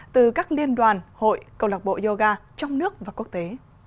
từ các liên đoàn hội cầu lạc bộ yoga trong nước và quốc tế